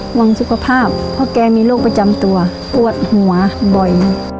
ห่วงสุขภาพเพราะแกมีโรคประจำตัวปวดหัวบ่อย